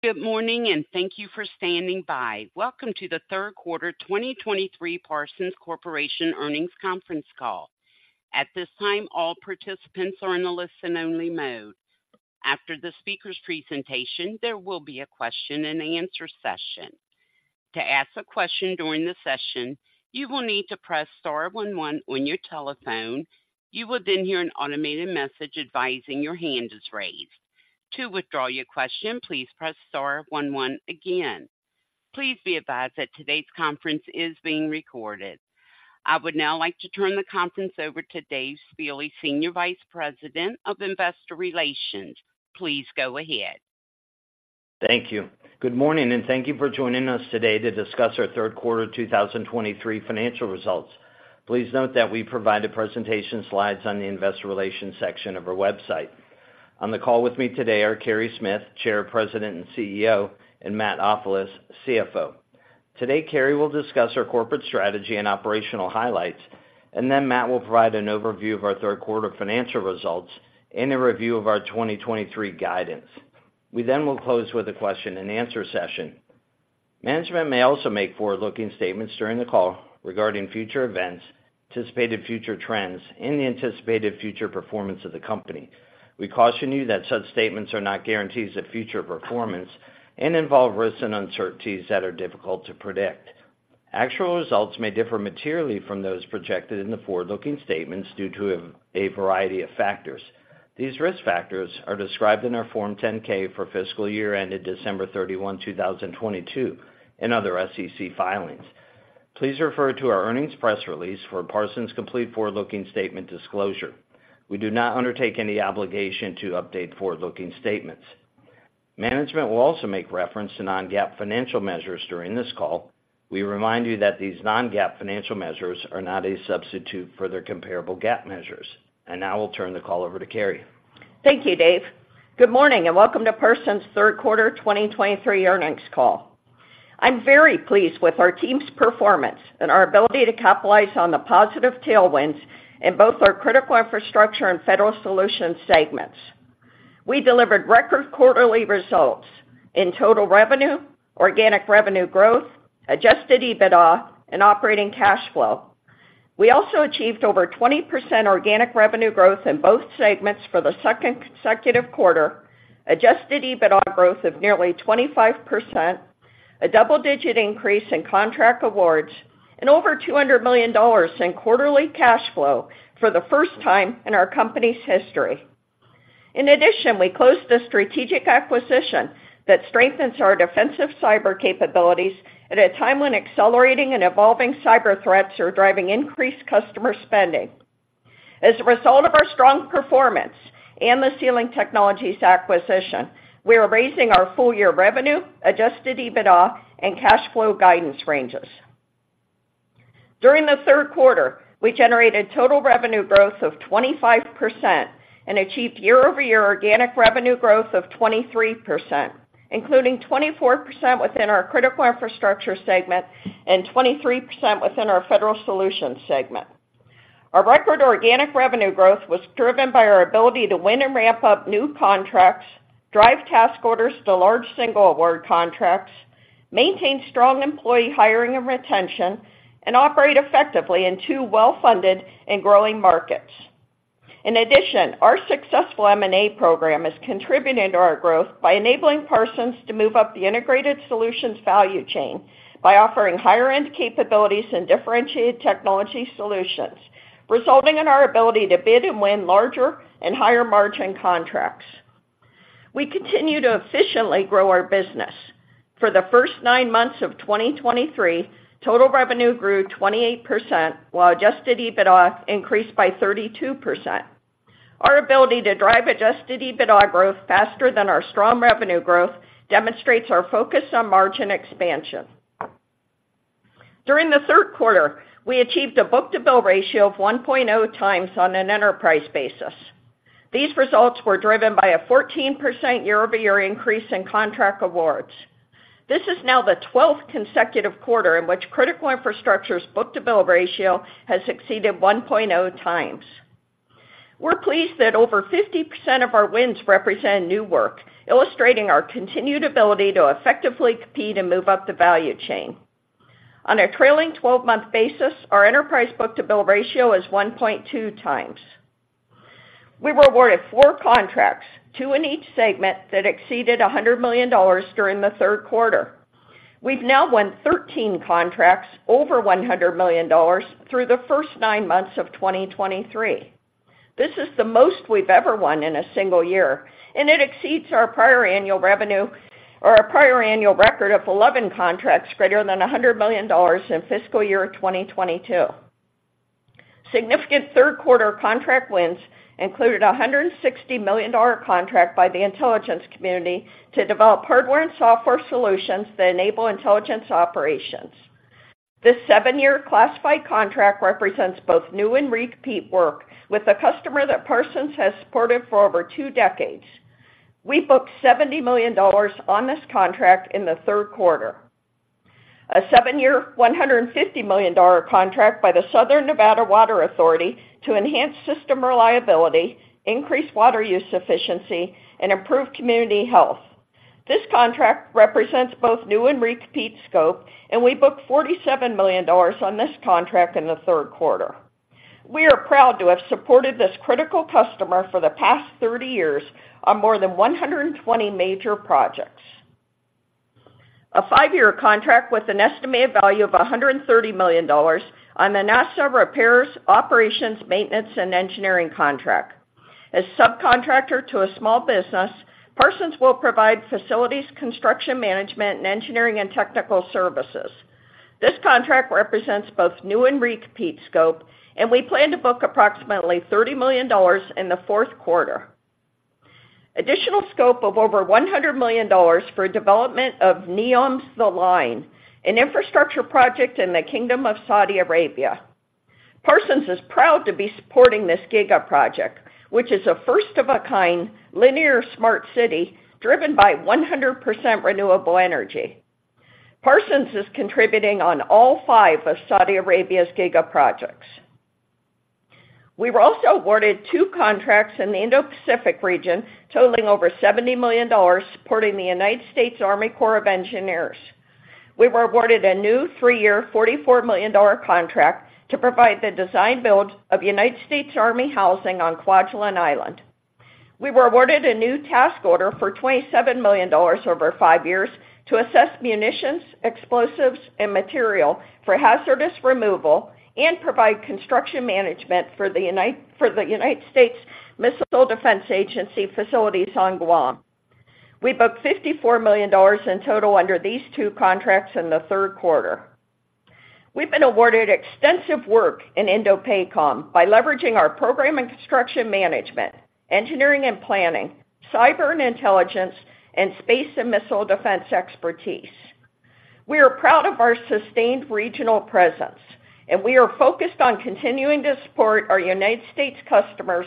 Good morning, and thank you for standing by. Welcome to the third quarter 2023 Parsons Corporation Earnings conference call. At this time, all participants are in the listen-only mode. After the speaker's presentation, there will be a question-and-answer session. To ask a question during the session, you will need to press star one one on your telephone. You will then hear an automated message advising your hand is raised. To withdraw your question, please press star one one again. Please be advised that today's conference is being recorded. I would now like to turn the conference over to Dave Spille, Senior Vice President of Investor Relations. Please go ahead. Thank you. Good morning, and thank you for joining us today to discuss our third quarter 2023 financial results. Please note that we provide the presentation slides on the investor relations section of our website. On the call with me today are Carey Smith, Chair, President, and CEO, and Matt Ofilos, CFO. Today, Carey will discuss our corporate strategy and operational highlights, and then Matt will provide an overview of our third quarter financial results and a review of our 2023 guidance. We then will close with a question-and-answer session. Management may also make forward-looking statements during the call regarding future events, anticipated future trends, and the anticipated future performance of the company. We caution you that such statements are not guarantees of future performance and involve risks and uncertainties that are difficult to predict. Actual results may differ materially from those projected in the forward-looking statements due to a variety of factors. These risk factors are described in our Form 10-K for fiscal year ended December 31, 2022, and other SEC filings. Please refer to our earnings press release for Parsons' complete forward-looking statement disclosure. We do not undertake any obligation to update forward-looking statements. Management will also make reference to non-GAAP financial measures during this call. We remind you that these non-GAAP financial measures are not a substitute for their comparable GAAP measures. And now I'll turn the call over to Carey. Thank you, Dave. Good morning and welcome to Parsons' third quarter 2023 earnings call. I'm very pleased with our team's performance and our ability to capitalize on the positive tailwinds in both our Critical Infrastructure and Federal Solutions segments. We delivered record quarterly results in total revenue, organic revenue growth, adjusted EBITDA, and operating cash flow. We also achieved over 20% organic revenue growth in both segments for the second consecutive quarter, adjusted EBITDA growth of nearly 25%, a double-digit increase in contract awards, and over $200 million in quarterly cash flow for the first time in our company's history. In addition, we closed the strategic acquisition that strengthens our defensive cyber capabilities at a time when accelerating and evolving cyber threats are driving increased customer spending. As a result of our strong performance and the Sealing Technologies acquisition, we are raising our full-year revenue, Adjusted EBITDA, and cash flow guidance ranges. During the third quarter, we generated total revenue growth of 25% and achieved year-over-year organic revenue growth of 23%, including 24% within our Critical Infrastructure segment and 23% within our Federal Solutions segment. Our record organic revenue growth was driven by our ability to win and ramp up new contracts, drive task orders to large single award contracts, maintain strong employee hiring and retention, and operate effectively in two well-funded and growing markets. In addition, our successful M&A program is contributing to our growth by enabling Parsons to move up the integrated solutions value chain by offering higher-end capabilities and differentiated technology solutions, resulting in our ability to bid and win larger and higher-margin contracts. We continue to efficiently grow our business. For the first nine months of 2023, total revenue grew 28%, while Adjusted EBITDA increased by 32%. Our ability to drive Adjusted EBITDA growth faster than our strong revenue growth demonstrates our focus on margin expansion. During the third quarter, we achieved a book-to-bill ratio of 1.0 times on an enterprise basis. These results were driven by a 14% year-over-year increase in contract awards. This is now the 12th consecutive quarter in which Critical Infrastructure's book-to-bill ratio has exceeded 1.0 times. We're pleased that over 50% of our wins represent new work, illustrating our continued ability to effectively compete and move up the value chain. On a trailing 12-month basis, our enterprise book-to-bill ratio is 1.2 times. We were awarded four contracts, two in each segment, that exceeded $100 million during the third quarter. We've now won 13 contracts over $100 million through the first nine months of 2023. This is the most we've ever won in a single year, and it exceeds our prior annual revenue or our prior annual record of 11 contracts greater than $100 million in fiscal year 2022. Significant third quarter contract wins included a $160 million contract by the intelligence community to develop hardware and software solutions that enable intelligence operations. This seven-year classified contract represents both new and repeat work with a customer that Parsons has supported for over two decades. We booked $70 million on this contract in the third quarter. A seven year, $150 million contract by the Southern Nevada Water Authority to enhance system reliability, increase water use efficiency, and improve community health. This contract represents both new and repeat scope, and we booked $47 million on this contract in the third quarter. We are proud to have supported this critical customer for the past 30 years on more than 120 major projects. A five year contract with an estimated value of $130 million on the NASA Repairs, Operations, Maintenance, and Engineering contract. As subcontractor to a small business, Parsons will provide facilities, construction management, and engineering and technical services. This contract represents both new and repeat scope, and we plan to book approximately $30 million in the fourth quarter. Additional scope of over $100 million for development of NEOM's THE LINE, an infrastructure project in the Kingdom of Saudi Arabia. Parsons is proud to be supporting this giga project, which is a first of a kind, linear, smart city, driven by 100% renewable energy. Parsons is contributing on all five of Saudi Arabia's giga projects. We were also awarded two contracts in the Indo-Pacific region, totaling over $70 million, supporting the United States Army Corps of Engineers. We were awarded a new three year, $44 million contract to provide the design build of United States Army housing on Kwajalein Island. We were awarded a new task order for $27 million over five years to assess munitions, explosives, and material for hazardous removal and provide construction management for the United States Missile Defense Agency facilities on Guam. We booked $54 million in total under these two contracts in the third quarter. We've been awarded extensive work in INDOPACOM by leveraging our program and construction management, engineering and planning, cyber and intelligence, and space and missile defense expertise. We are proud of our sustained regional presence, and we are focused on continuing to support our United States customers'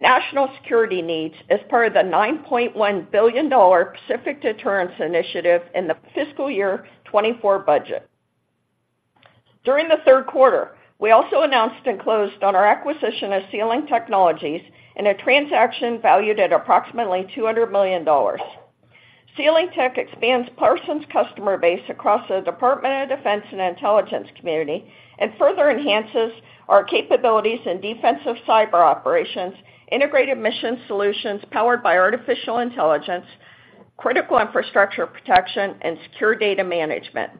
national security needs as part of the $9.1 billion Pacific Deterrence Initiative in the fiscal year 2024 budget. During the third quarter, we also announced and closed on our acquisition of Sealing Technologies in a transaction valued at approximately $200 million. SealingTech expands Parsons' customer base across the Department of Defense and Intelligence Community, and further enhances our capabilities in defensive cyber operations, integrated mission solutions powered by artificial intelligence, critical infrastructure protection, and secure data management.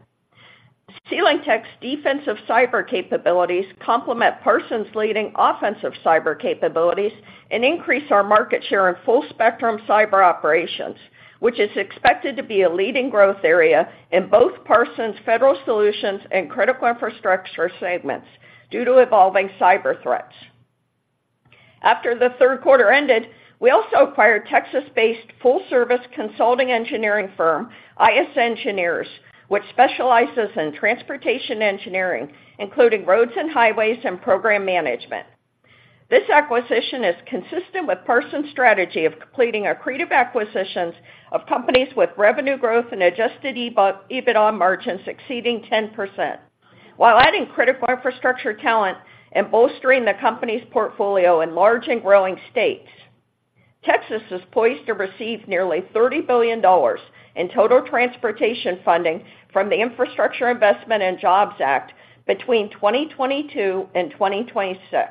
SealingTech's defensive cyber capabilities complement Parsons' leading offensive cyber capabilities and increase our market share in full spectrum cyber operations, which is expected to be a leading growth area in both Parsons' federal solutions and critical infrastructure segments due to evolving cyber threats. After the third quarter ended, we also acquired Texas-based full-service consulting engineering firm, I.S. Engineers, which specializes in transportation engineering, including roads and highways, and program management. This acquisition is consistent with Parsons' strategy of completing accretive acquisitions of companies with revenue growth and adjusted EBITDA margins exceeding 10%, while adding critical infrastructure talent and bolstering the company's portfolio in large and growing states. Texas is poised to receive nearly $30 billion in total transportation funding from the Infrastructure Investment and Jobs Act between 2022 and 2026.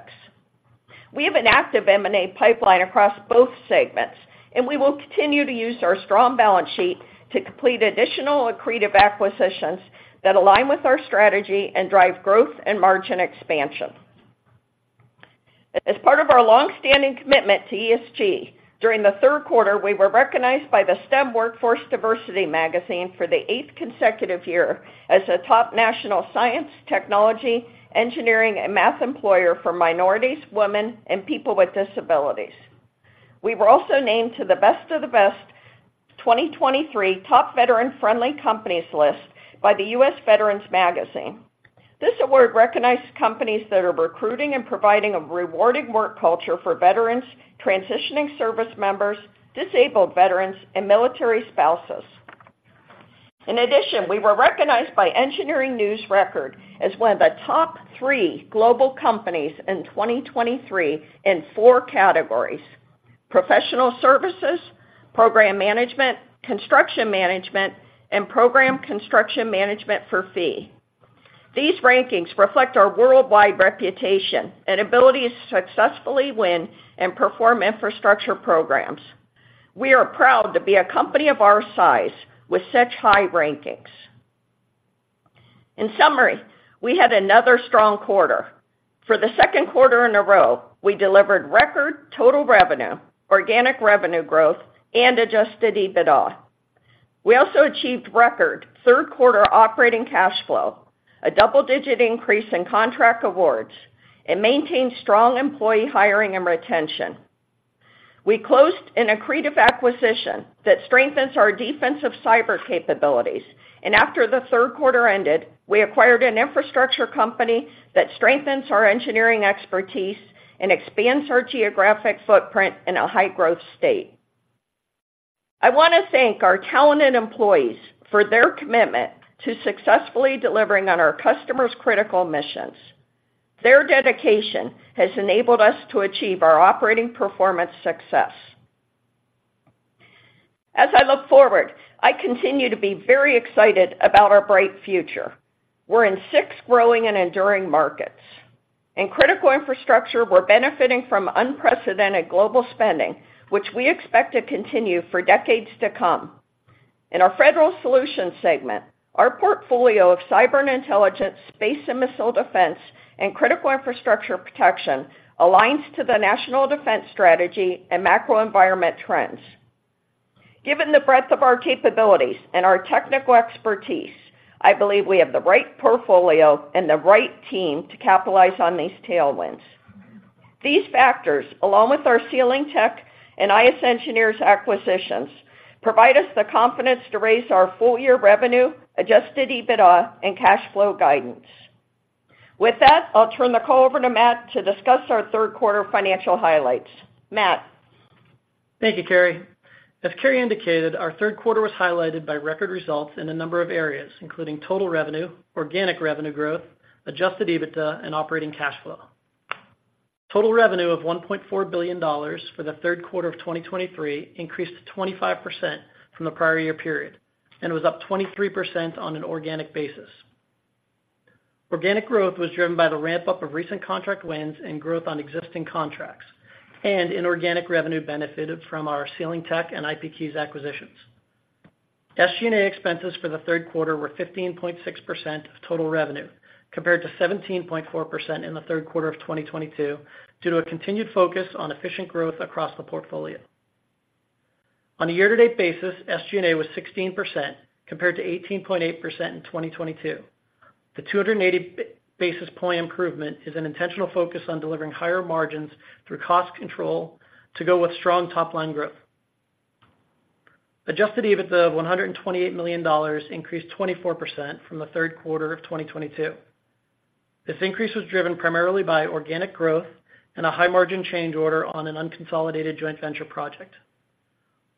We have an active M&A pipeline across both segments, and we will continue to use our strong balance sheet to complete additional accretive acquisitions that align with our strategy and drive growth and margin expansion. As part of our long-standing commitment to ESG, during the third quarter, we were recognized by the STEM Workforce Diversity Magazine for the eighth consecutive year as a top national science, technology, engineering, and math employer for minorities, women, and people with disabilities. We were also named to the Best of the Best 2023 Top Veteran Friendly Companies list by the U.S. Veterans Magazine. This award recognizes companies that are recruiting and providing a rewarding work culture for veterans, transitioning service members, disabled veterans, and military spouses. In addition, we were recognized by Engineering News-Record as one of the top three global companies in 2023 in four categories: professional services, program management, construction management, and program construction management for fee. These rankings reflect our worldwide reputation and ability to successfully win and perform infrastructure programs. We are proud to be a company of our size with such high rankings. In summary, we had another strong quarter. For the second quarter in a row, we delivered record total revenue, organic revenue growth, and Adjusted EBITDA. We also achieved record third quarter operating cash flow, a double-digit increase in contract awards, and maintained strong employee hiring and retention. We closed an accretive acquisition that strengthens our defensive cyber capabilities, and after the third quarter ended, we acquired an infrastructure company that strengthens our engineering expertise and expands our geographic footprint in a high-growth state. I wanna thank our talented employees for their commitment to successfully delivering on our customers' critical missions. Their dedication has enabled us to achieve our operating performance success. As I look forward, I continue to be very excited about our bright future. We're in six growing and enduring markets. In critical infrastructure, we're benefiting from unprecedented global spending, which we expect to continue for decades to come. In our Federal Solutions segment, our portfolio of cyber and intelligence, space and missile defense, and critical infrastructure protection aligns to the national defense strategy and macro environment trends. Given the breadth of our capabilities and our technical expertise, I believe we have the right portfolio and the right team to capitalize on these tailwinds. These factors, along with our SealingTech and I.S. Engineers acquisitions, provide us the confidence to raise our full-year revenue, Adjusted EBITDA, and cash flow guidance. With that, I'll turn the call over to Matt to discuss our third quarter financial highlights. Matt? Thank you, Carey. As Carey indicated, our third quarter was highlighted by record results in a number of areas, including total revenue, organic revenue growth, Adjusted EBITDA, and operating cash flow. Total revenue of $1.4 billion for the third quarter of 2023 increased 25% from the prior year period and was up 23% on an organic basis. Organic growth was driven by the ramp-up of recent contract wins and growth on existing contracts, and inorganic revenue benefited from our SealingTech and IPKeys acquisitions. SG&A expenses for the third quarter were 15.6% of total revenue, compared to 17.4% in the third quarter of 2022, due to a continued focus on efficient growth across the portfolio. On a year-to-date basis, SG&A was 16%, compared to 18.8% in 2022. The 280 basis point improvement is an intentional focus on delivering higher margins through cost control to go with strong top-line growth. Adjusted EBITDA of $128 million increased 24% from the third quarter of 2022. This increase was driven primarily by organic growth and a high-margin change order on an unconsolidated joint venture project.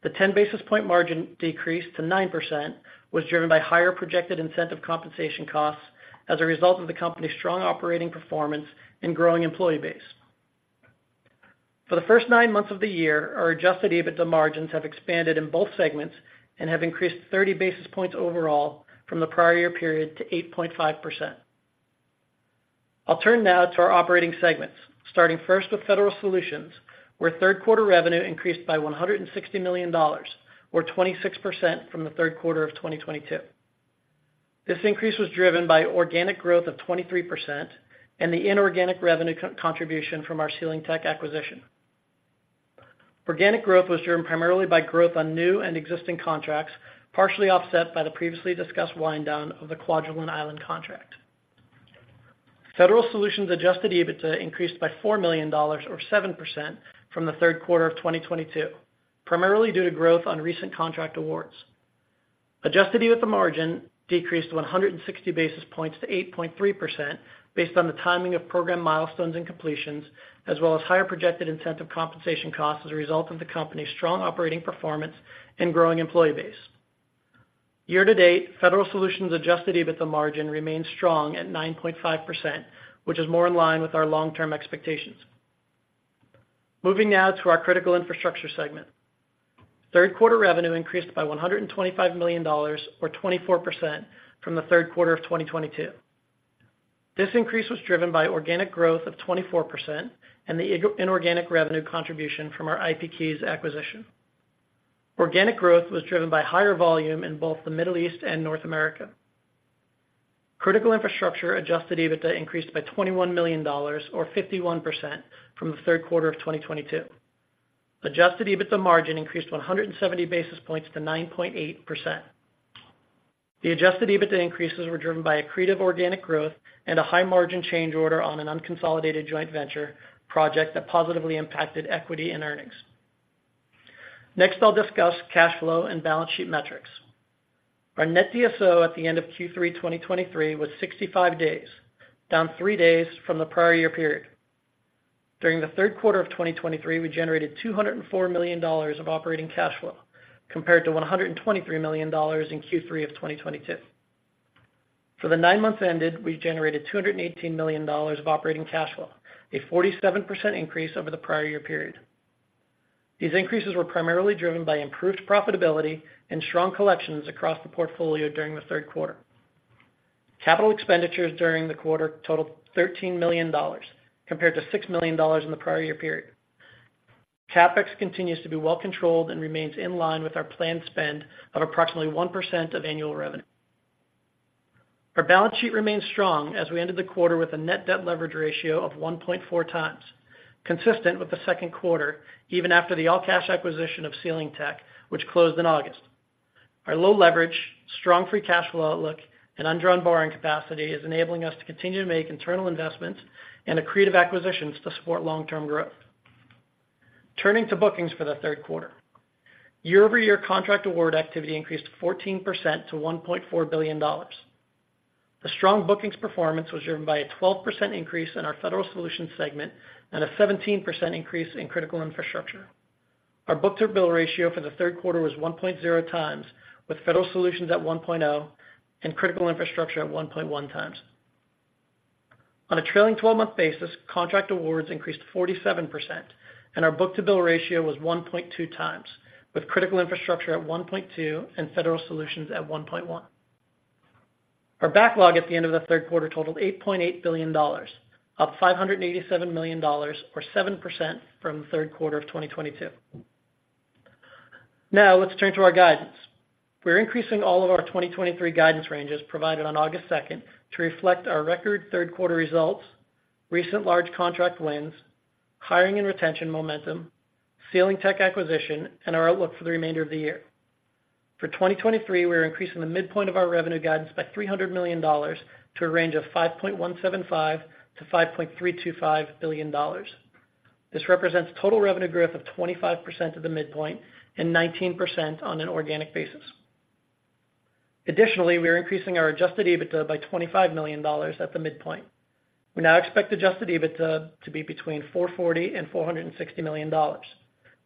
The 10 basis point margin decrease to 9% was driven by higher projected incentive compensation costs as a result of the company's strong operating performance and growing employee base. For the first nine months of the year, our adjusted EBITDA margins have expanded in both segments and have increased 30 basis points overall from the prior year period to 8.5%. I'll turn now to our operating segments, starting first with Federal Solutions, where third quarter revenue increased by $160 million, or 26% from the third quarter of 2022. This increase was driven by organic growth of 23% and the inorganic revenue contribution from our SealingTech acquisition. Organic growth was driven primarily by growth on new and existing contracts, partially offset by the previously discussed wind down of the Kwajalein Island contract. Federal Solutions' Adjusted EBITDA increased by $4 million or 7% from the third quarter of 2022, primarily due to growth on recent contract awards. Adjusted EBITDA margin decreased to 160 basis points to 8.3% based on the timing of program milestones and completions, as well as higher projected incentive compensation costs as a result of the company's strong operating performance and growing employee base. Year-to-date, Federal Solutions' adjusted EBITDA margin remains strong at 9.5%, which is more in line with our long-term expectations. Moving now to our Critical Infrastructure segment. Third quarter revenue increased by $125 million or 24% from the third quarter of 2022. This increase was driven by organic growth of 24% and the inorganic revenue contribution from our IPKeys acquisition. Organic growth was driven by higher volume in both the Middle East and North America. Critical Infrastructure adjusted EBITDA increased by $21 million or 51% from the third quarter of 2022. Adjusted EBITDA margin increased 170 basis points to 9.8%. The adjusted EBITDA increases were driven by accretive organic growth and a high-margin change order on an unconsolidated joint venture project that positively impacted equity and earnings. Next, I'll discuss cash flow and balance sheet metrics. Our net DSO at the end of Q3 2023 was 65 days, down 3 days from the prior year period. During the third quarter of 2023, we generated $204 million of operating cash flow, compared to $123 million in Q3 of 2022. For the nine months ended, we generated $218 million of operating cash flow, a 47% increase over the prior year period. These increases were primarily driven by improved profitability and strong collections across the portfolio during the third quarter. Capital expenditures during the quarter totaled $13 million, compared to $6 million in the prior year period. CapEx continues to be well controlled and remains in line with our planned spend of approximately 1% of annual revenue. Our balance sheet remains strong as we ended the quarter with a net debt leverage ratio of 1.4 times, consistent with the second quarter, even after the all-cash acquisition of SealingTech, which closed in August. Our low leverage, strong free cash flow outlook, and undrawn borrowing capacity is enabling us to continue to make internal investments and accretive acquisitions to support long-term growth. Turning to bookings for the third quarter. Year-over-year contract award activity increased 14% to $1.4 billion. The strong bookings performance was driven by a 12% increase in our Federal Solutions segment and a 17% increase in Critical Infrastructure. Our book-to-bill ratio for the third quarter was 1.0 times, with Federal Solutions at 1.0, and Critical Infrastructure at 1.1 times. On a trailing 12-month basis, contract awards increased 47%, and our book-to-bill ratio was 1.2 times, with Critical Infrastructure at 1.2 and Federal Solutions at 1.1. Our backlog at the end of the third quarter totaled $8.8 billion, up $587 million or 7% from the third quarter of 2022. Now, let's turn to our guidance. We're increasing all of our 2023 guidance ranges provided on August 2, to reflect our record third quarter results, recent large contract wins, hiring and retention momentum, SealingTech acquisition, and our outlook for the remainder of the year. For 2023, we are increasing the midpoint of our revenue guidance by $300 million to a range of $5.175 billion-$5.325 billion. This represents total revenue growth of 25% at the midpoint and 19% on an organic basis. Additionally, we are increasing our Adjusted EBITDA by $25 million at the midpoint. We now expect Adjusted EBITDA to be between $440 million-$460 million,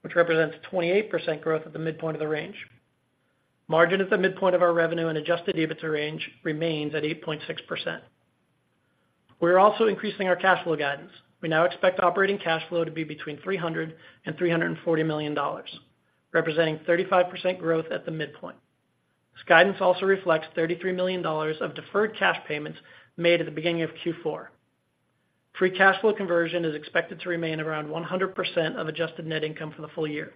which represents a 28% growth at the midpoint of the range. Margin at the midpoint of our revenue and Adjusted EBITDA range remains at 8.6%. We are also increasing our cash flow guidance. We now expect operating cash flow to be between $300 million-$340 million, representing 35% growth at the midpoint. This guidance also reflects $33 million of deferred cash payments made at the beginning of Q4. Free Cash Flow Conversion is expected to remain around 100% of Adjusted Net Income for the full year.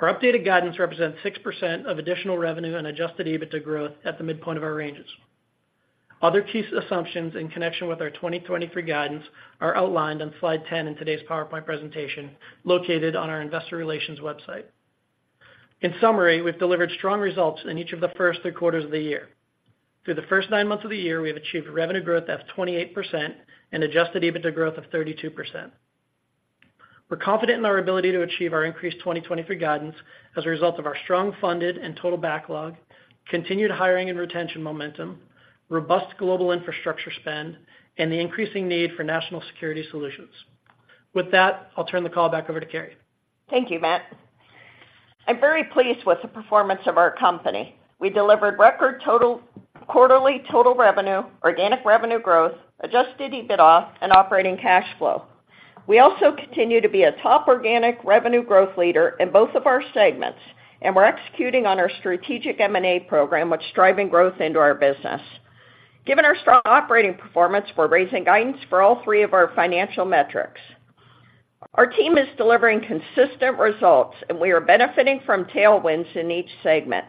Our updated guidance represents 6% of additional revenue and Adjusted EBITDA growth at the midpoint of our ranges. Other key assumptions in connection with our 2023 guidance are outlined on slide 10 in today's PowerPoint presentation, located on our investor relations website. In summary, we've delivered strong results in each of the first three quarters of the year. Through the first nine months of the year, we have achieved a revenue growth of 28% and Adjusted EBITDA growth of 32%. We're confident in our ability to achieve our increased 2023 guidance as a result of our strong funded and total backlog, continued hiring and retention momentum, robust global infrastructure spend, and the increasing need for national security solutions. With that, I'll turn the call back over to Carey. Thank you, Matt. I'm very pleased with the performance of our company. We delivered record quarterly total revenue, organic revenue growth, Adjusted EBITDA, and operating cash flow. We also continue to be a top organic revenue growth leader in both of our segments, and we're executing on our strategic M&A program, which driving growth into our business. Given our strong operating performance, we're raising guidance for all three of our financial metrics. Our team is delivering consistent results, and we are benefiting from tailwinds in each segment.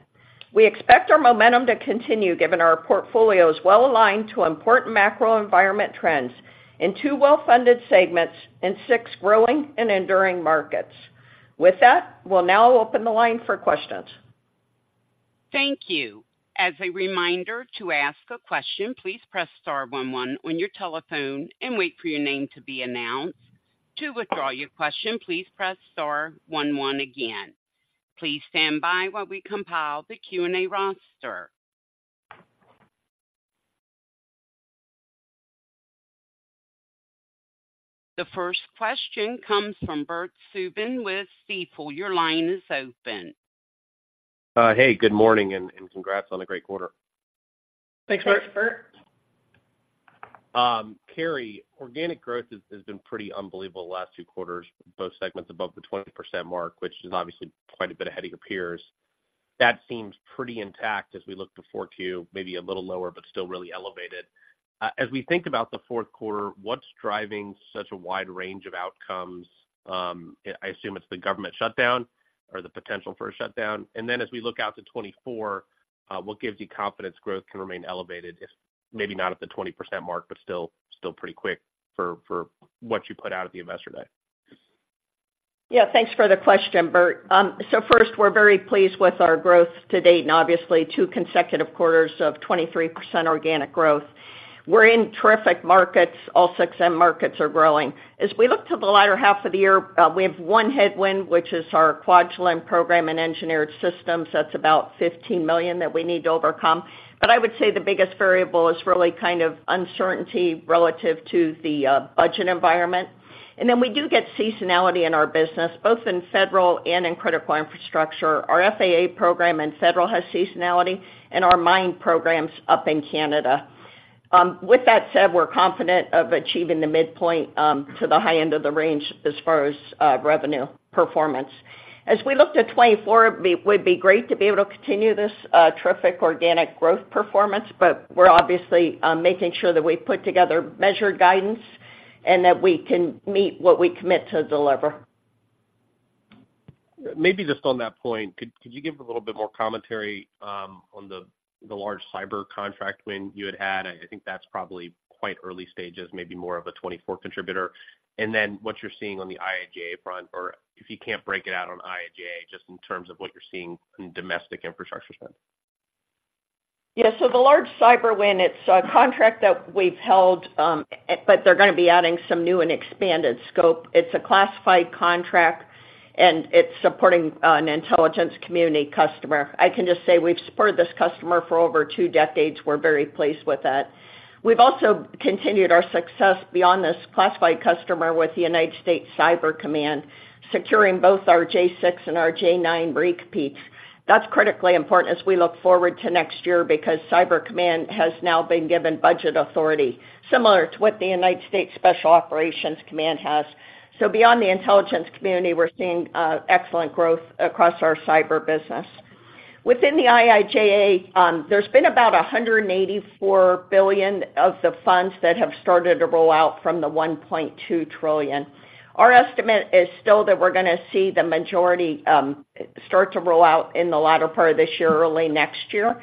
We expect our momentum to continue, given our portfolio is well aligned to important macro environment trends in two well-funded segments and six growing and enduring markets. With that, we'll now open the line for questions. Thank you. As a reminder, to ask a question, please press star one one on your telephone and wait for your name to be announced. To withdraw your question, please press star one one again. Please stand by while we compile the Q&A roster. The first question comes from Bert Subin with Stifel. Your line is open. Hey, good morning, and congrats on a great quarter. Thanks, Bert. Thanks, Bert. Carey, organic growth has been pretty unbelievable the last two quarters, both segments above the 20% mark, which is obviously quite a bit ahead of your peers. That seems pretty intact as we look to Q4, maybe a little lower, but still really elevated. As we think about the fourth quarter, what's driving such a wide range of outcomes? I assume it's the government shutdown or the potential for a shutdown. And then as we look out to 2024, what gives you confidence growth can remain elevated, if maybe not at the 20% mark, but still pretty quick for what you put out at the Investor Day? Yeah, thanks for the question, Bert. So first, we're very pleased with our growth to date, and obviously two consecutive quarters of 23% organic growth. We're in terrific markets. All six end markets are growing. As we look to the latter half of the year, we have one headwind, which is our Kwajalein program and engineered systems. That's about $15 million that we need to overcome. But I would say the biggest variable is really kind of uncertainty relative to the budget environment. And then we do get seasonality in our business, both in Federal and in Critical Infrastructure. Our FAA program and Federal has seasonality and our mine programs up in Canada. With that said, we're confident of achieving the midpoint to the high end of the range as far as revenue performance. As we look to 2024, it would be great to be able to continue this terrific organic growth performance, but we're obviously making sure that we put together measured guidance and that we can meet what we commit to deliver. Maybe just on that point, could you give a little bit more commentary on the large cyber contract win you had? I think that's probably quite early stages, maybe more of a 2024 contributor. And then what you're seeing on the IIJA front, or if you can't break it out on IIJA, just in terms of what you're seeing in domestic infrastructure spend. Yeah, so the large cyber win, it's a contract that we've held, but they're gonna be adding some new and expanded scope. It's a classified contract, and it's supporting an intelligence community customer. I can just say we've supported this customer for over two decades. We're very pleased with that. We've also continued our success beyond this classified customer with the U.S. Cyber Command, securing both our J6 and our J9 re-competes. That's critically important as we look forward to next year because Cyber Command has now been given budget authority, similar to what the U.S. Special Operations Command has. So beyond the intelligence community, we're seeing excellent growth across our cyber business. Within the IIJA, there's been about $184 billion of the funds that have started to roll out from the $1.2 trillion. Our estimate is still that we're gonna see the majority start to roll out in the latter part of this year, early next year.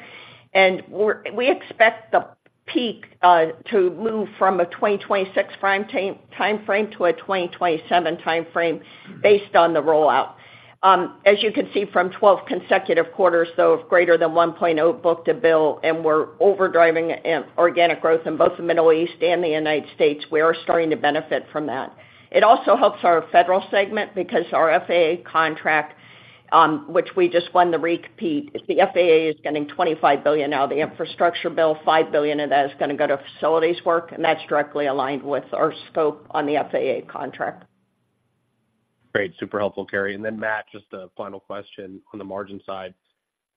We expect the peak to move from a 2026 time frame to a 2027 time frame based on the rollout. As you can see from 12 consecutive quarters, though, of greater than 1.0 book-to-bill, and we're overdriving organic growth in both the Middle East and the United States, we are starting to benefit from that. It also helps our federal segment because our FAA contract, which we just won the re-compete, the FAA is getting $25 billion now, the infrastructure bill, $5 billion of that is gonna go to facilities work, and that's directly aligned with our scope on the FAA contract. Great. Super helpful, Carey. And then Matt, just a final question on the margin side.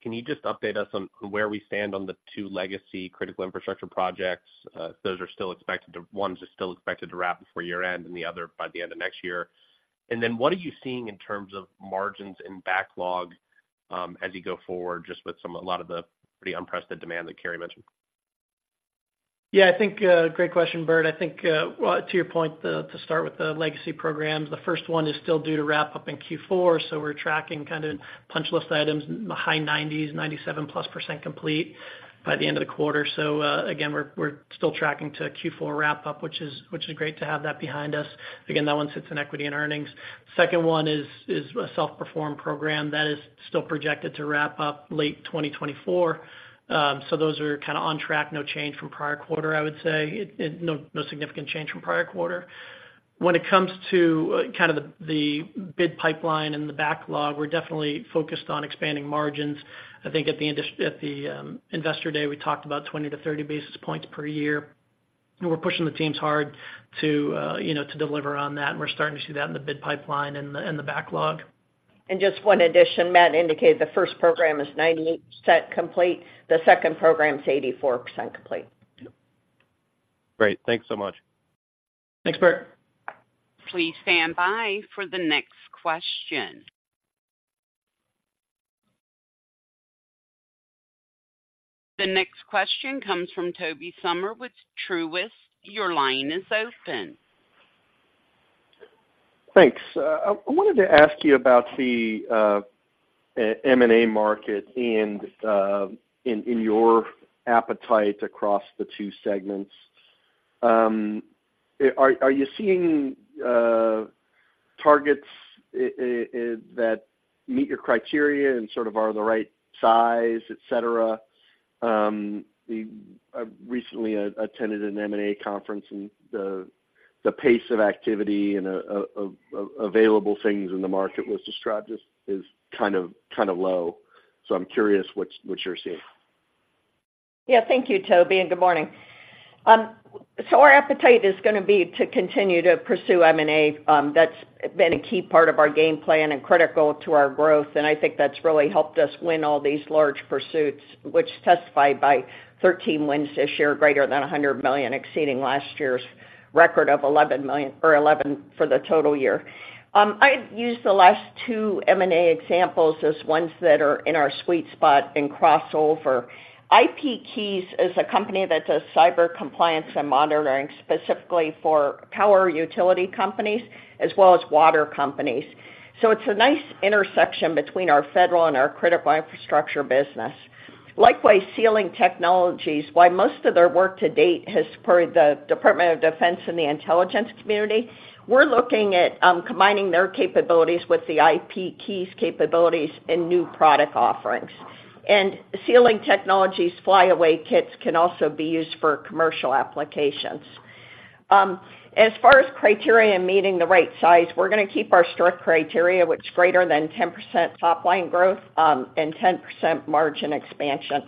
Can you just update us on where we stand on the two legacy critical infrastructure projects? Those are still expected to, one is still expected to wrap before year-end and the other by the end of next year. And then what are you seeing in terms of margins and backlog as you go forward, just with some a lot of the pretty unprecedented demand that Carey mentioned? Yeah, I think great question, Bert. I think, well, to your point, the, to start with the legacy programs, the first one is still due to wrap up in Q4, so we're tracking kind of punch list items, high 90s, 97+% complete by the end of the quarter. So, again, we're, we're still tracking to a Q4 wrap-up, which is, which is great to have that behind us. Again, that one sits in equity and earnings. Second one is a self-performed program that is still projected to wrap up late 2024. So those are kind of on track, no change from prior quarter, I would say. It, no significant change from prior quarter. When it comes to, kind of the, the bid pipeline and the backlog, we're definitely focused on expanding margins. I think at the Investor Day, we talked about 20-30 basis points per year. We're pushing the teams hard to, you know, to deliver on that, and we're starting to see that in the bid pipeline and the backlog. Just one addition, Matt indicated the first program is 98% complete. The second program is 84% complete. Great. Thanks so much. Thanks, Bert. Please stand by for the next question. The next question comes from Tobey Sommer with Truist. Your line is open. Thanks. I wanted to ask you about the M&A market and in your appetite across the two segments. Are you seeing targets that meet your criteria and sort of are the right size, et cetera? I recently attended an M&A conference, and the pace of activity and available things in the market was described as kind of low. So I'm curious what you're seeing. Yeah, thank you, Toby, and good morning. So our appetite is gonna be to continue to pursue M&A. That's been a key part of our game plan and critical to our growth, and I think that's really helped us win all these large pursuits, which testified by 13 wins this year, greater than $100 million, exceeding last year's record of 11 million or 11 for the total year. I'd use the last two M&A examples as ones that are in our sweet spot and crossover. IPKeys is a company that does cyber compliance and monitoring, specifically for power utility companies as well as water companies. So it's a nice intersection between our federal and our critical infrastructure business. Likewise, Sealing Technologies, while most of their work to date has supported the Department of Defense and the intelligence community, we're looking at combining their capabilities with the IPKeys capabilities in new product offerings. And Sealing Technologies' Flyaway Kits can also be used for commercial applications. As far as criteria and meeting the right size, we're gonna keep our strict criteria, which is greater than 10% top line growth and 10% margin expansion.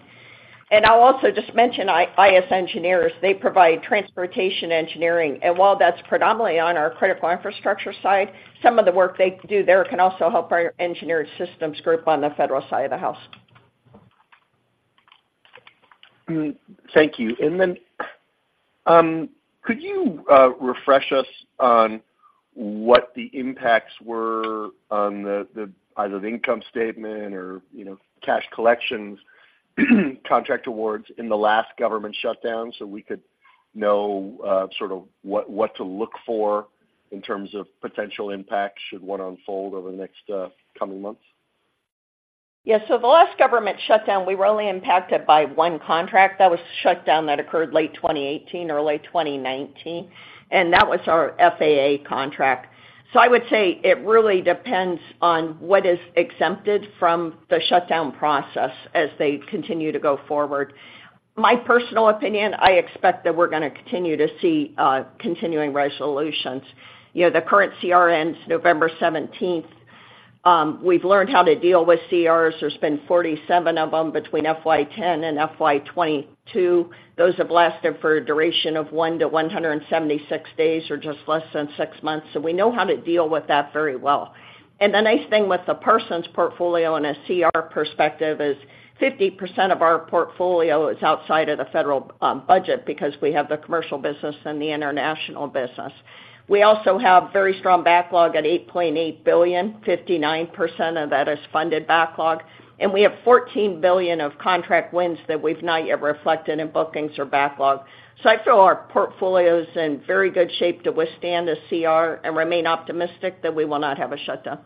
I'll also just mention I.S. Engineers, they provide transportation engineering, and while that's predominantly on our critical infrastructure side, some of the work they do there can also help our engineered systems group on the federal side of the house. Thank you. And then, could you refresh us on what the impacts were on either the income statement or, you know, cash collections, contract awards in the last government shutdown so we could know, sort of what to look for in terms of potential impacts, should one unfold over the next coming months? Yeah, so the last government shutdown, we were only impacted by one contract that was shut down. That occurred late 2018, early 2019, and that was our FAA contract. So I would say it really depends on what is exempted from the shutdown process as they continue to go forward. My personal opinion, I expect that we're gonna continue to see continuing resolutions. You know, the current CR ends November 17. We've learned how to deal with CRs. There's been 47 of them between FY 2010 and FY 2022. Those have lasted for a duration of one to 176 days, or just less than six months. So we know how to deal with that very well. The nice thing with the Parsons portfolio in a CR perspective is 50% of our portfolio is outside of the federal budget because we have the commercial business and the international business. We also have very strong backlog at $8.8 billion, 59% of that is funded backlog, and we have $14 billion of contract wins that we've not yet reflected in bookings or backlog. I feel our portfolio is in very good shape to withstand a CR and remain optimistic that we will not have a shutdown.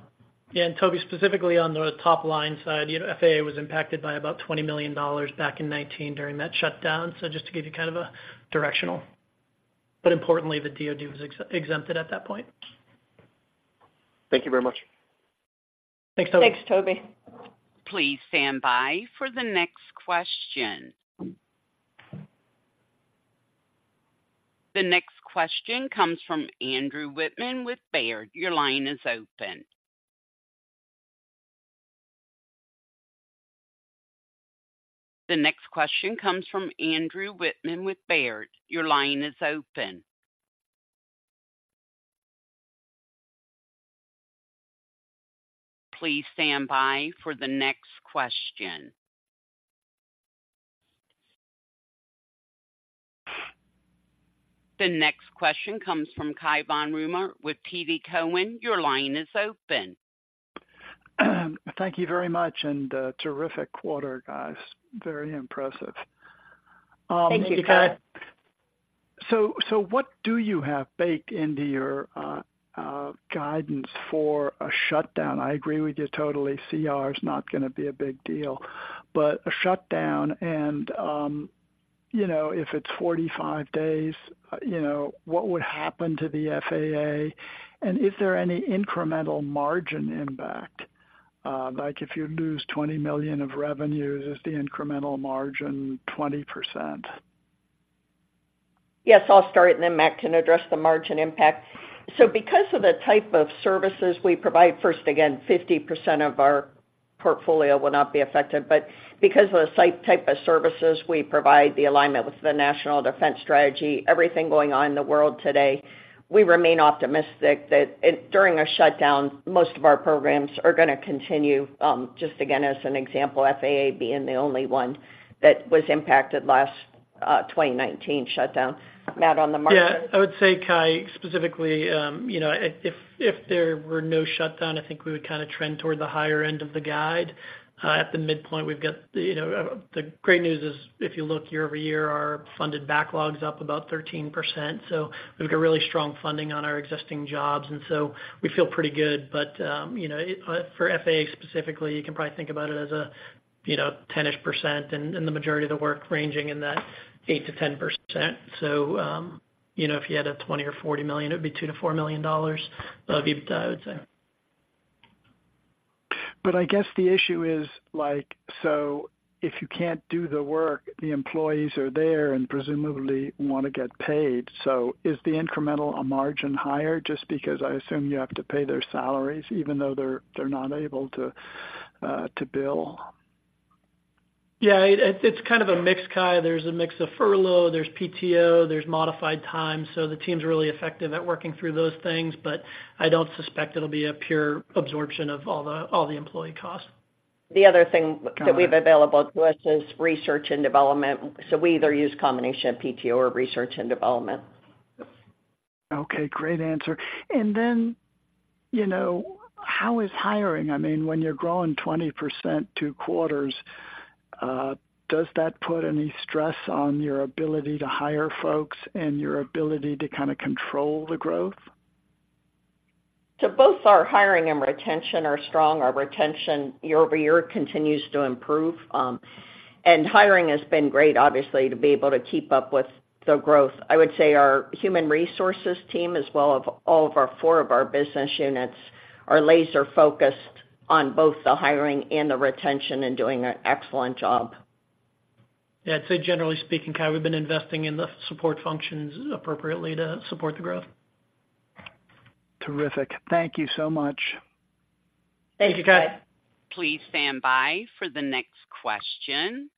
Yeah, and Tobey, specifically on the top-line side, you know, FAA was impacted by about $20 million back in 2019 during that shutdown. So just to give you kind of a directional, but importantly, the DoD was exempted at that point. Thank you very much. Thanks, Tobey. Thanks, Tobey. Please stand by for the next question. The next question comes from Andrew Wittmann with Baird. Your line is open. The next question comes from Andrew Wittmann with Baird. Your line is open. Please stand by for the next question. The next question comes from Kai von Rumohr with TD Cowen. Your line is open. Thank you very much, and terrific quarter, guys. Very impressive. Thank you, Kai. Thank you, Kai So, what do you have baked into your guidance for a shutdown? I agree with you totally, CR is not gonna be a big deal, but a shutdown and, you know, if it's 45 days, you know, what would happen to the FAA? And is there any incremental margin impact? Like, if you lose $20 million of revenues, is the incremental margin 20%? Yes, I'll start, and then Matt can address the margin impact. So because of the type of services we provide, first, again, 50% of our portfolio will not be affected. But because of the such type of services we provide, the alignment with the National Defense Strategy, everything going on in the world today, we remain optimistic that it, during a shutdown, most of our programs are gonna continue. Just again, as an example, FAA being the only one that was impacted last 2019 shutdown. Matt, on the margin? Yeah, I would say, Kai, specifically, you know, if, if there were no shutdown, I think we would kind of trend toward the higher end of the guide. At the midpoint, we've got, you know, the great news is, if you look year-over-year, our funded backlogs up about 13%, so we've got really strong funding on our existing jobs, and so we feel pretty good. But, you know, for FAA specifically, you can probably think about it as a, you know, 10-ish%, and, and the majority of the work ranging in that 8%-10%. So, you know, if you had a $20 million or $40 million, it would be $2 million-$4 million of EBITDA, I would say. But I guess the issue is, like, so if you can't do the work, the employees are there and presumably want to get paid. So is the incremental a margin higher? Just because I assume you have to pay their salaries, even though they're not able to bill. Yeah, it's kind of a mix, Kai. There's a mix of furlough, there's PTO, there's modified time. So the team's really effective at working through those things, but I don't suspect it'll be a pure absorption of all the employee costs. The other thing that we have available to us is research and development. We either use a combination of PTO or research and development. Okay, great answer. Then, you know, how is hiring? I mean, when you're growing 20% two quarters, does that put any stress on your ability to hire folks and your ability to kind of control the growth? So both our hiring and retention are strong. Our retention year-over-year continues to improve. And hiring has been great, obviously, to be able to keep up with the growth. I would say our human resources team, as well as all of our four business units, are laser-focused on both the hiring and the retention and doing an excellent job. Yeah, I'd say generally speaking, Kai, we've been investing in the support functions appropriately to support the growth. Terrific. Thank you so much. Thank you, Kai. Thank you, Kai. Please stand by for the next question.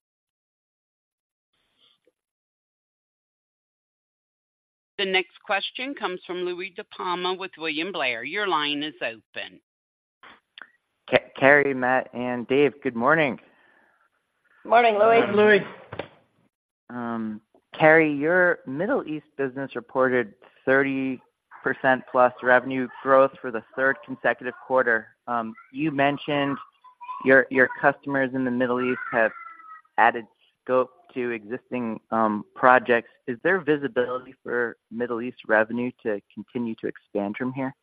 The next question comes from Louis DiPalma with William Blair. Your line is open. Carey, Matt, and Dave, good morning. Morning, Louie. Morning, Louie. Carey, your Middle East business reported 30%+ revenue growth for the third consecutive quarter. You mentioned your customers in the Middle East have added scope to existing projects. Is there visibility for Middle East revenue to continue to expand from here?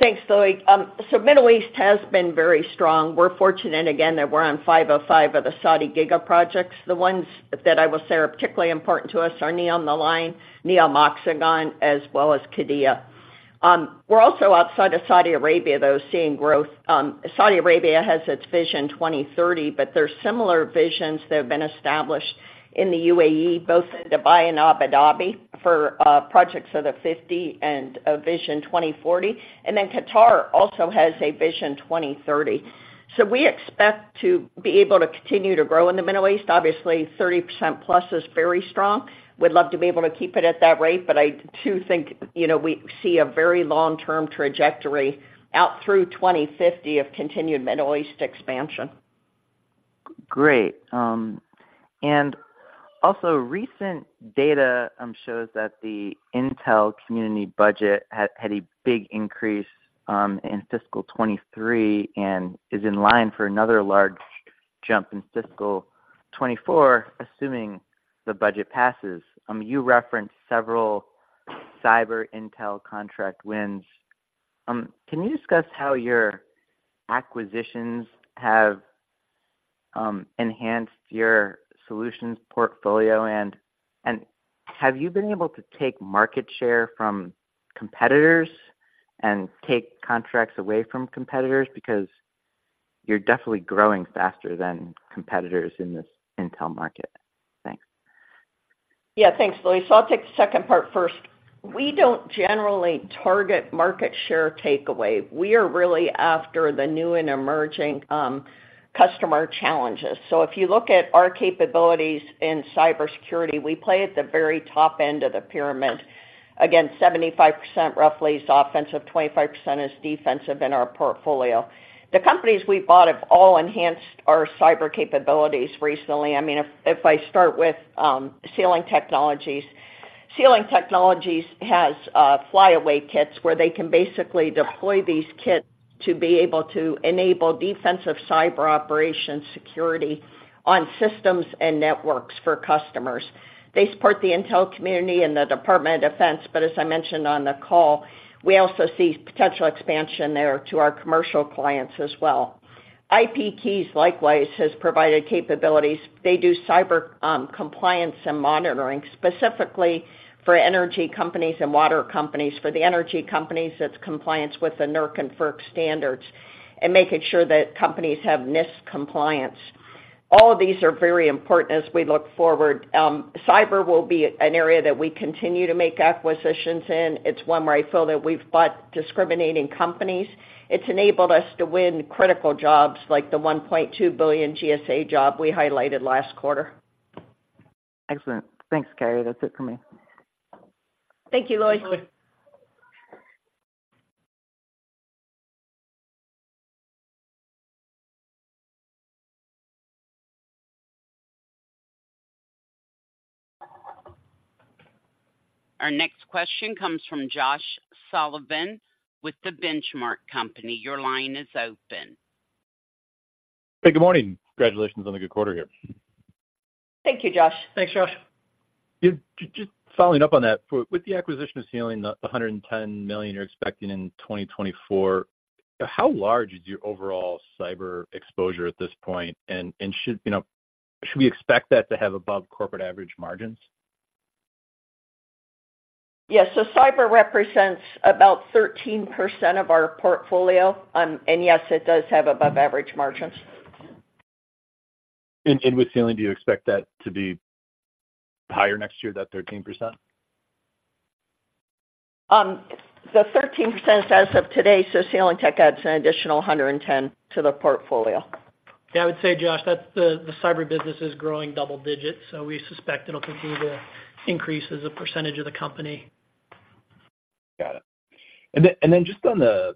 Thanks, Louie. So Middle East has been very strong. We're fortunate, again, that we're on five of five of the Saudi giga projects. The ones that I will say are particularly important to us are NEOM Line, NEOM Oxagon, as well as Qiddiya. We're also outside of Saudi Arabia, though, seeing growth. Saudi Arabia has its Vision 2030, but there's similar visions that have been established in the UAE, both in Dubai and Abu Dhabi, for Projects of the Fifty and Vision 2040. Then Qatar also has a Vision 2030. So we expect to be able to continue to grow in the Middle East. Obviously, 30%+ is very strong. We'd love to be able to keep it at that rate, but I, too, think, you know, we see a very long-term trajectory out through 2050 of continued Middle East expansion. Great. And also, recent data shows that the intelligence community budget had a big increase in fiscal 2023 and is in line for another large jump in fiscal 2024, assuming the budget passes. You referenced several cyber intelligence contract wins. Can you discuss how your acquisitions have enhanced your solutions portfolio? And have you been able to take market share from competitors and take contracts away from competitors? Because you're definitely growing faster than competitors in this intelligence market. Thanks. Yeah, thanks, Louie. So I'll take the second part first. We don't generally target market share takeaway. We are really after the new and emerging customer challenges. So if you look at our capabilities in cybersecurity, we play at the very top end of the pyramid. Again, 75%, roughly, is offensive, 25% is defensive in our portfolio. The companies we bought have all enhanced our cyber capabilities recently. I mean, if, if I start with Sealing Technologies. Sealing Technologies has flyaway kits where they can basically deploy these kits to be able to enable defensive cyber operation security on systems and networks for customers. They support the intel community and the Department of Defense, but as I mentioned on the call, we also see potential expansion there to our commercial clients as well. IPKeys, likewise, has provided capabilities. They do cyber, compliance and monitoring, specifically for energy companies and water companies. For the energy companies, it's compliance with the NERC and FERC standards and making sure that companies have NIST compliance. All of these are very important as we look forward. Cyber will be an area that we continue to make acquisitions in. It's one where I feel that we've bought discriminating companies. It's enabled us to win critical jobs like the $1.2 billion GSA job we highlighted last quarter. Excellent. Thanks, Carey. That's it for me. Thank you, Louie. Our next question comes from Josh Sullivan with The Benchmark Company. Your line is open. Hey, good morning. Congratulations on the good quarter here. Thank you, Josh. Thanks, Josh. Just following up on that, with the acquisition of SealingTech, the $110 million you're expecting in 2024, how large is your overall cyber exposure at this point? And, you know, should we expect that to have above corporate average margins? Yes. So cyber represents about 13% of our portfolio. And yes, it does have above average margins. With Sealing, do you expect that to be higher next year, that 13%? The 13% is as of today, so SealingTech adds an additional 110 to the portfolio. Yeah, I would say, Josh, that the cyber business is growing double-digits, so we suspect it'll continue to increase as a percentage of the company. Got it. And then just on the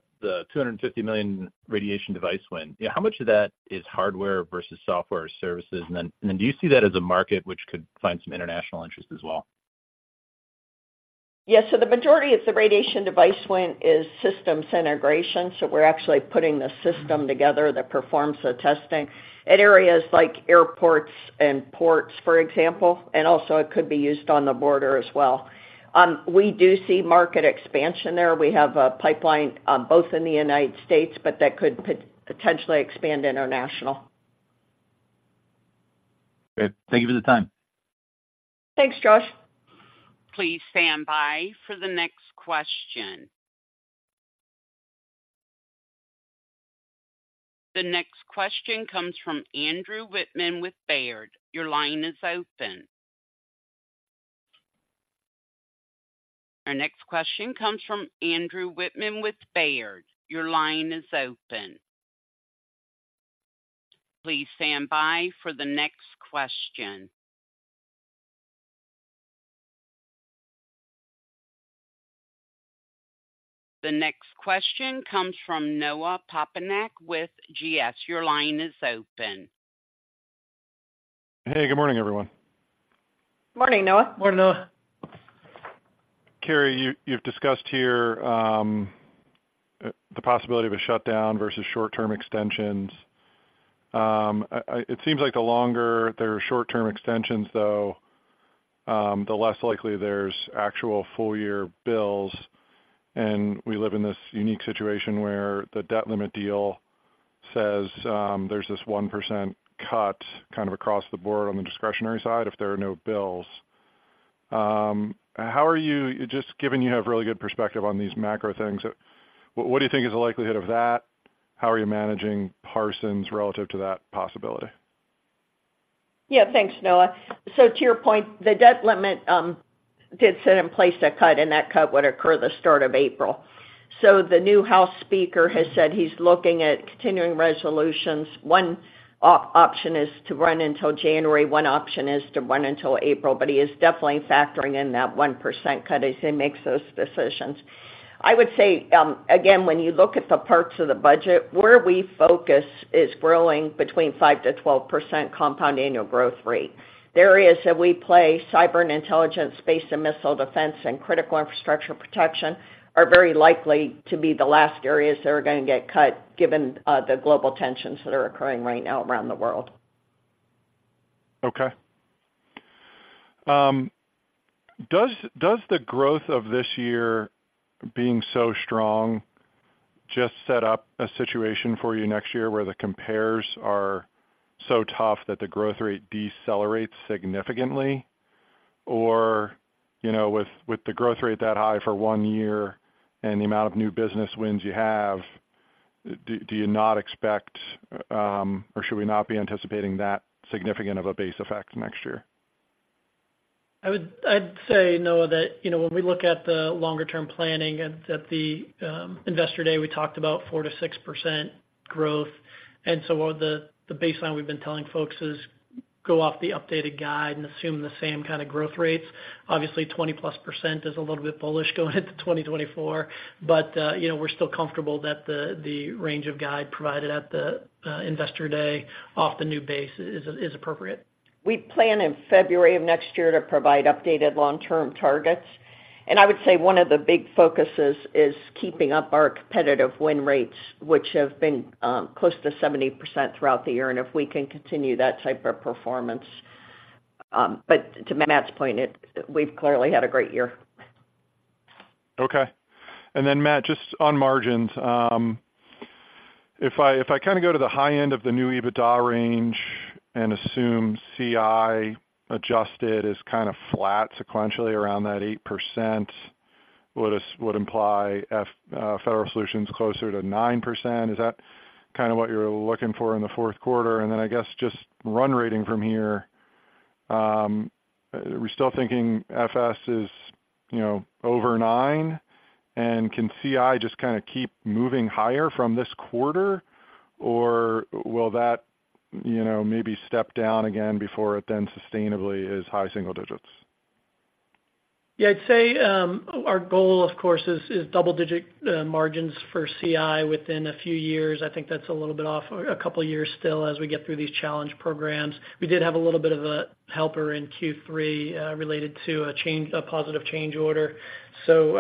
$250 million radiation device win, how much of that is hardware versus software or services? And then do you see that as a market which could find some international interest as well? Yes, so the majority of the radiation device win is systems integration, so we're actually putting the system together that performs the testing at areas like airports and ports, for example, and also it could be used on the border as well. We do see market expansion there. We have a pipeline, both in the United States, but that could potentially expand internationally. Great. Thank you for the time. Thanks, Josh. Please stand by for the next question. The next question comes from Andrew Wittmann with Baird. Your line is open. Our next question comes from Andrew Wittmann with Baird. Your line is open. Please stand by for the next question. The next question comes from Noah Poponak with GS. Your line is open. Hey, good morning, everyone. Morning, Noah. Morning, Noah. Carey, you've discussed here the possibility of a shutdown versus short-term extensions. It seems like the longer there are short-term extensions, though, the less likely there's actual full-year bills. We live in this unique situation where the debt limit deal says there's this 1% cut kind of across the board on the discretionary side if there are no bills. How are you just given you have really good perspective on these macro things, what do you think is the likelihood of that? How are you managing Parsons relative to that possibility? Yeah, thanks, Noah. So to your point, the debt limit did set in place a cut, and that cut would occur the start of April. So the new House speaker has said he's looking at continuing resolutions. One option is to run until January, one option is to run until April, but he is definitely factoring in that 1% cut as he makes those decisions. I would say, again, when you look at the parts of the budget, where we focus is growing between 5%-12% compound annual growth rate. The areas that we play, cyber and intelligence, space and missile defense, and critical infrastructure protection, are very likely to be the last areas that are going to get cut, given the global tensions that are occurring right now around the world. Okay. Does the growth of this year being so strong just set up a situation for you next year where the compares are so tough that the growth rate decelerates significantly? Or, you know, with the growth rate that high for one year and the amount of new business wins you have, do you not expect, or should we not be anticipating that significant of a base effect next year? I'd say, Noah, that, you know, when we look at the longer-term planning, at the Investor Day, we talked about 4%-6% growth. And so the baseline we've been telling folks is, go off the updated guide and assume the same kind of growth rates. Obviously, 20%+ is a little bit bullish going into 2024, but, you know, we're still comfortable that the range of guide provided at the Investor Day off the new base is appropriate. We plan in February of next year to provide updated long-term targets. And I would say one of the big focuses is keeping up our competitive win rates, which have been close to 70% throughout the year, and if we can continue that type of performance. But to Matt's point, we've clearly had a great year. Okay. And then, Matt, just on margins, if I kind of go to the high end of the new EBITDA range and assume CI adjusted is kind of flat sequentially around that 8%, would imply Federal Solutions closer to 9%. Is that kind of what you're looking for in the fourth quarter? And then I guess just run rating from here, are we still thinking FS is, you know, over 9%? And can CI just kind of keep moving higher from this quarter, or will that, you know, maybe step down again before it then sustainably is high single digits? Yeah, I'd say, our goal, of course, is double-digit margins for CI within a few years. I think that's a little bit off, a couple of years still, as we get through these challenge programs. We did have a little bit of a helper in Q3 related to a change, a positive change order. So,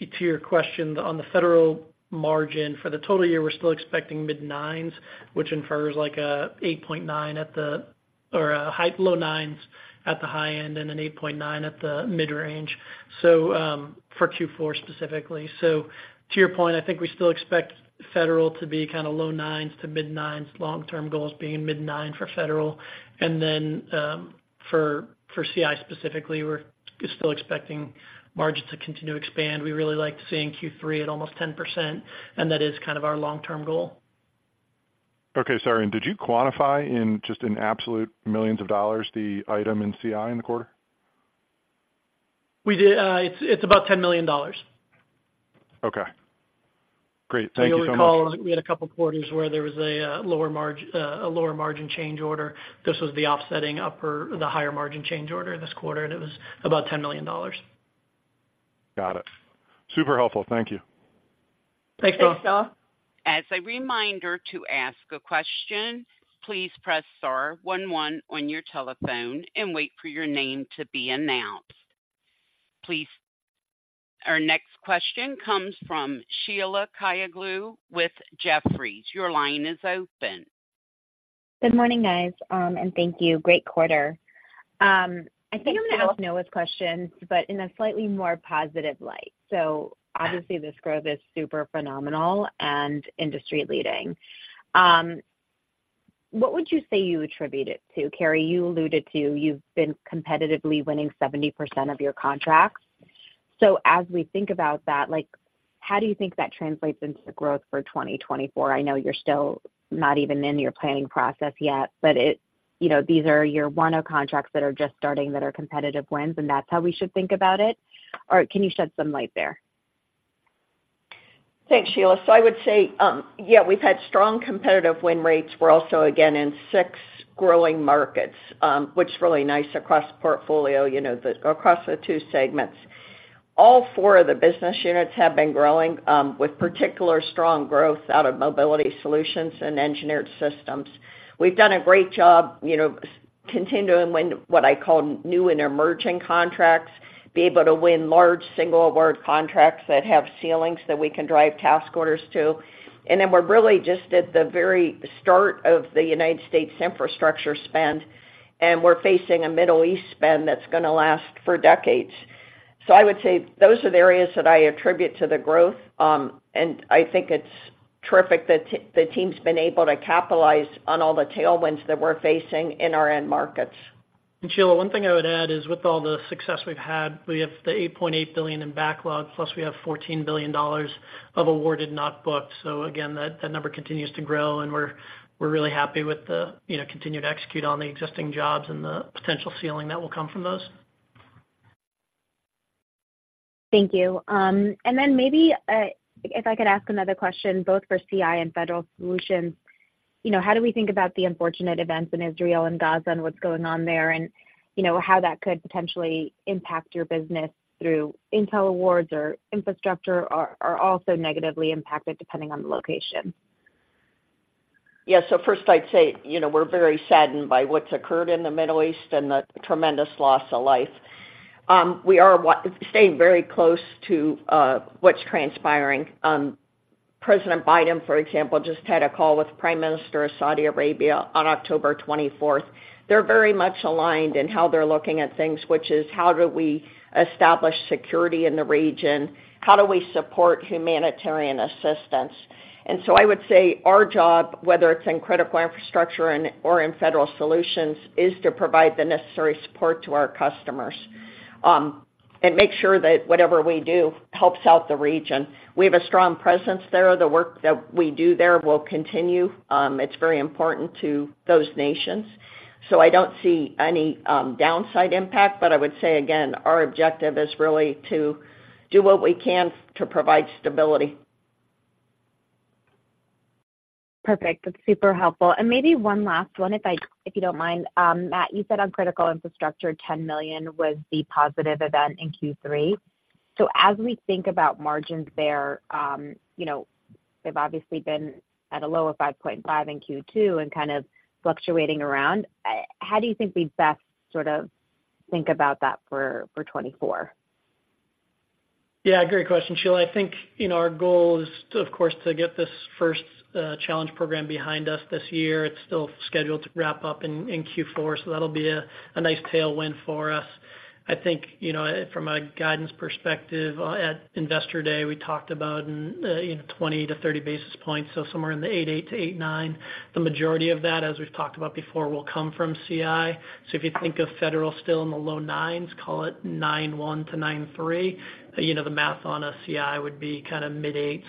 to your question, on the federal margin for the total year, we're still expecting mid-nines, which infers like 8.9 at the or a high, low nines at the high end and 8.9 at the mid-range, so, for Q4 specifically. So to your point, I think we still expect federal to be kind of low nines to mid-nines, long-term goals being mid-nines for federal. And then, for CI, specifically, we're still expecting margins to continue to expand. We really liked seeing Q3 at almost 10%, and that is kind of our long-term goal. Okay, sorry, and did you quantify in just an absolute millions of dollars, the item in CI in the quarter? We did. It's, it's about $10 million. Okay. Great. Thank you so much. You'll recall, we had a couple of quarters where there was a lower margin change order. This was the offsetting, the higher margin change order this quarter, and it was about $10 million. Got it. Super helpful. Thank you. Thanks, Noah. Thanks, Noah. As a reminder to ask a question, please press star one one on your telephone and wait for your name to be announced. Please, our next question comes from Sheila Kahyaoglu with Jefferies. Your line is open. Good morning, guys, and thank you. Great quarter. I think I'm going to ask Noah's question, but in a slightly more positive light. So obviously, this growth is super phenomenal and industry leading. What would you say you attribute it to? Carey, you alluded to, you've been competitively winning 70% of your contracts. So as we think about that, like, how do you think that translates into the growth for 2024? I know you're still not even in your planning process yet, but it, you know, these are your 10 contracts that are just starting, that are competitive wins, and that's how we should think about it? Or can you shed some light there? Thanks, Sheila. So I would say, yeah, we've had strong competitive win rates. We're also again in six growing markets, which is really nice across the portfolio, you know, across the two segments. All four of the business units have been growing, with particular strong growth out of mobility solutions and engineered systems. We've done a great job, you know, continuing to win what I call new and emerging contracts, be able to win large single award contracts that have ceilings that we can drive task orders to. And then we're really just at the very start of the United States infrastructure spend, and we're facing a Middle East spend that's going to last for decades. So I would say those are the areas that I attribute to the growth. I think it's terrific that the team's been able to capitalize on all the tailwinds that we're facing in our end markets. Sheila, one thing I would add is, with all the success we've had, we have the $8.8 billion in backlog, plus we have $14 billion of awarded, not booked. So again, that, that number continues to grow, and we're, we're really happy with the, you know, continue to execute on the existing jobs and the potential ceiling that will come from those. Thank you. And then maybe, if I could ask another question, both for CI and Federal Solutions. You know, how do we think about the unfortunate events in Israel and Gaza and what's going on there? And, you know, how that could potentially impact your business through intel awards or infrastructure, or are also negatively impacted, depending on the location. Yeah. So first I'd say, you know, we're very saddened by what's occurred in the Middle East and the tremendous loss of life. We are staying very close to what's transpiring. President Biden, for example, just had a call with Prime Minister of Saudi Arabia on October 24th. They're very much aligned in how they're looking at things, which is, How do we establish security in the region? How do we support humanitarian assistance? And so I would say our job, whether it's in critical infrastructure and/or in Federal Solutions, is to provide the necessary support to our customers, and make sure that whatever we do helps out the region. We have a strong presence there. The work that we do there will continue. It's very important to those nations, so I don't see any downside impact. I would say, again, our objective is really to do what we can to provide stability. Perfect. That's super helpful. And maybe one last one, if you don't mind. Matt, you said on critical infrastructure, $10 million was the positive event in Q3. So as we think about margins there, you know, they've obviously been at a low of 5.5% in Q2 and kind of fluctuating around. How do you think we best sort of think about that for 2024? Yeah, great question, Sheila. I think, you know, our goal is to, of course, to get this first challenge program behind us this year. It's still scheduled to wrap up in Q4, so that'll be a nice tailwind for us. I think, you know, from a guidance perspective, at Investor Day, we talked about, you know, 20-30 basis points, so somewhere in the 8.8-8.9. The majority of that, as we've talked about before, will come from CI. So if you think of federal still in the low nines, call it 9.1-9.3, you know, the math on a CI would be kind of mid-eights.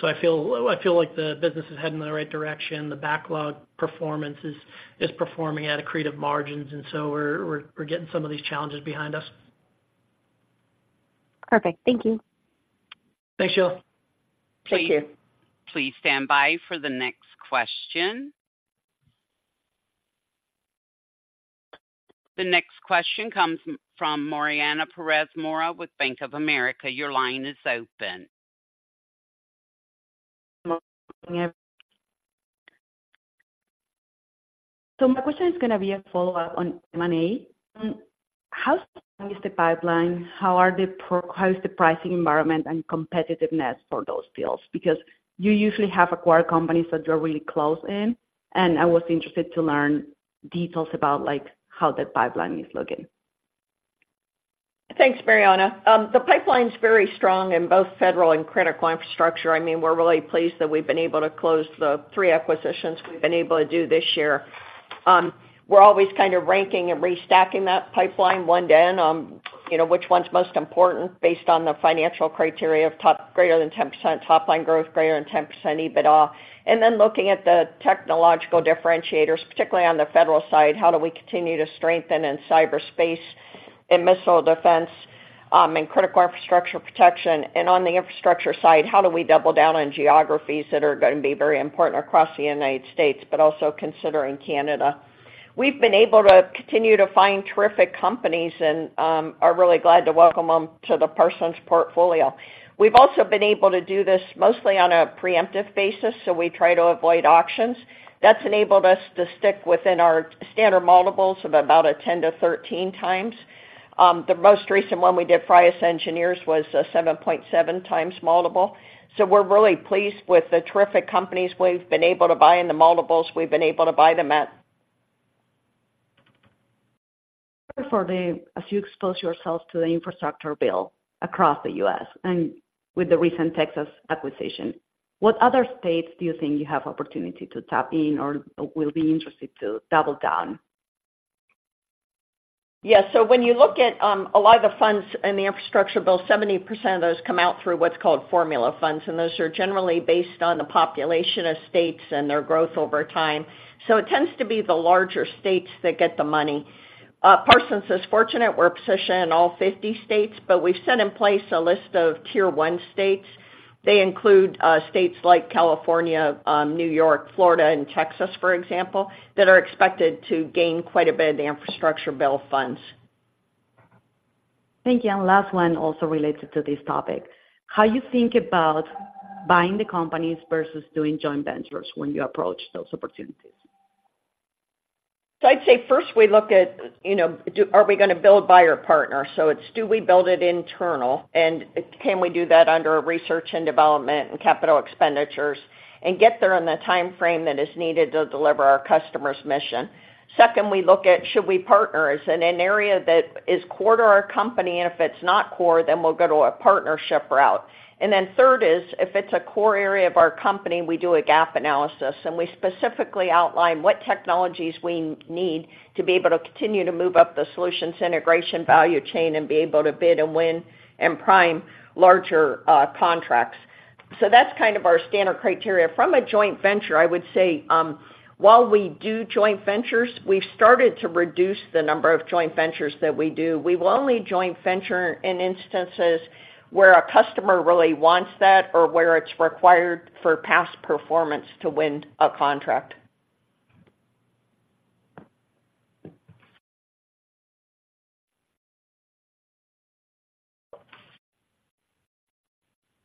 So I feel, I feel like the business is heading in the right direction. The backlog performance is performing at accretive margins, and so we're getting some of these challenges behind us. Perfect. Thank you. Thanks, Sheila. Thank you. Please stand by for the next question. The next question comes from Mariana Pérez Mora with Bank of America. Your line is open. So my question is gonna be a follow-up on M&A. How strong is the pipeline? How is the pricing environment and competitiveness for those deals? Because you usually have acquired companies that you're really close in, and I was interested to learn details about, like, how the pipeline is looking. Thanks, Mariana. The pipeline's very strong in both federal and critical infrastructure. I mean, we're really pleased that we've been able to close the three acquisitions we've been able to do this year. We're always kind of ranking and restacking that pipeline one day in on, you know, which one's most important based on the financial criteria of top greater than 10%, top line growth greater than 10% EBITDA. And then looking at the technological differentiators, particularly on the federal side, how do we continue to strengthen in cyberspace and missile defense, and critical infrastructure protection? And on the infrastructure side, how do we double down on geographies that are gonna be very important across the United States, but also considering Canada? We've been able to continue to find terrific companies and, are really glad to welcome them to the Parsons portfolio. We've also been able to do this mostly on a preemptive basis, so we try to avoid auctions. That's enabled us to stick within our standard multiples of about a 10-13 times. The most recent one we did, I.S. Engineers, was a 7.7 times multiple. So we're really pleased with the terrific companies we've been able to buy and the multiples we've been able to buy them at. As you expose yourselves to the infrastructure bill across the U.S. and with the recent Texas acquisition, what other states do you think you have opportunity to tap in or will be interested to double down? Yeah, so when you look at a lot of the funds in the infrastructure bill, 70% of those come out through what's called formula funds, and those are generally based on the population of states and their growth over time. So it tends to be the larger states that get the money. Parsons is fortunate we're positioned in all 50 states, but we've set in place a list of tier one states. They include states like California, New York, Florida, and Texas, for example, that are expected to gain quite a bit of the infrastructure bill funds. Thank you. Last one, also related to this topic: How you think about buying the companies versus doing joint ventures when you approach those opportunities? So I'd say first we look at, you know, are we gonna build, buy or partner? So it's do we build it internal, and can we do that under a research and development and capital expenditures and get there in the timeframe that is needed to deliver our customer's mission? Second, we look at should we partner? Is in an area that is core to our company, and if it's not core, then we'll go to a partnership route. And then third is, if it's a core area of our company, we do a gap analysis, and we specifically outline what technologies we need to be able to continue to move up the solutions integration value chain and be able to bid and win and prime larger contracts. So that's kind of our standard criteria. From a joint venture, I would say, while we do joint ventures, we've started to reduce the number of joint ventures that we do. We will only joint venture in instances where a customer really wants that or where it's required for past performance to win a contract.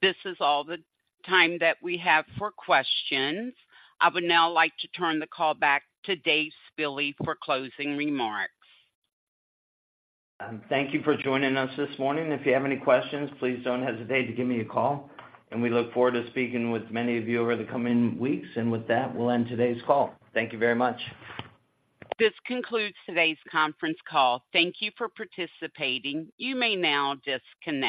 This is all the time that we have for questions. I would now like to turn the call back to Dave Spille for closing remarks. Thank you for joining us this morning. If you have any questions, please don't hesitate to give me a call, and we look forward to speaking with many of you over the coming weeks. With that, we'll end today's call. Thank you very much. This concludes today's conference call. Thank you for participating. You may now disconnect.